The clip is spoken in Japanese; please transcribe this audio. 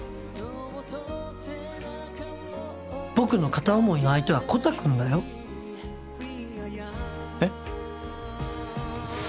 僕の片思いの相手はコタくんだよ。えっ？